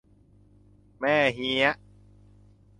แม่เหียะ